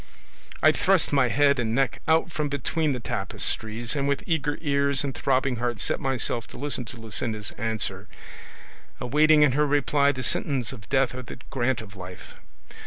I thrust my head and neck out from between the tapestries, and with eager ears and throbbing heart set myself to listen to Luscinda's answer, awaiting in her reply the sentence of death or the grant of life.